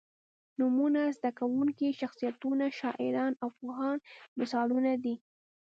نومونه، زده کوونکي، شخصیتونه، شاعران او پوهان مثالونه دي.